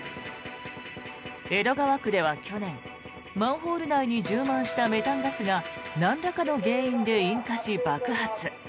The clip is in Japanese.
江戸川区では去年マンホール内に充満したメタンガスがなんらかの原因で引火し、爆発。